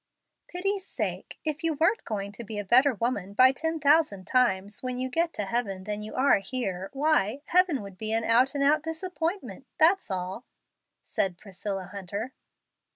Pity's sake! if you weren't going to be a better woman by ten thousand times when you get to heaven than you are here, why, heaven would be an out and out disap¬ pointment, that's all," said Priscilla Hunter.